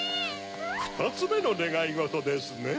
２つめのねがいごとですね。